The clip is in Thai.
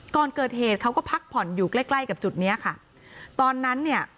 ก่อนเกิดเหตุเขาก็พักผ่อนอยู่ใกล้ใกล้กับจุดเนี้ยค่ะตอนนั้นเนี่ย